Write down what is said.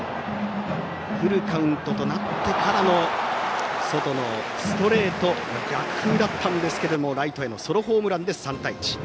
フルカウントとなってからの外のストレート逆風だったんですけどもライトへのソロホームランで３対１。